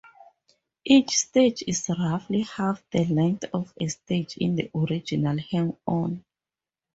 Each stage is roughly half the length of a stage in the original "Hang-On".